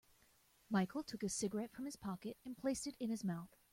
Michael took a cigarette from his pocket and placed it in his mouth.